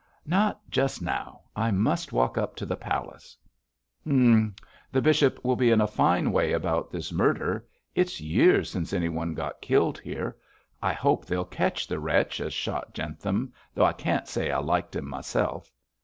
'Not just now. I must walk up to the palace.' 'Hum! The bishop will be in a fine way about this murder. It's years since anyone got killed here. I hope they'll catch the wretch as shot Jentham, though I can't say I liked him myself.'